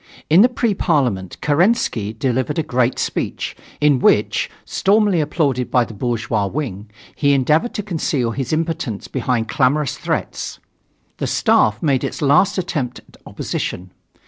In the Pre Parliament Kerensky delivered a great speech, in which, stormily applauded by the bourgeois wing, he endeavored to conceal his impotence behind clamorous threats. The Staff made its last attempt at opposition.